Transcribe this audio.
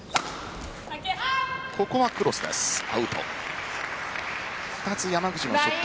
ここはクロスです、アウト。